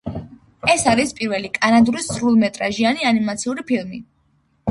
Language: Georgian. ეს არის პირველი კანადური სრულმეტრაჟიანი ანიმაციური ფილმი.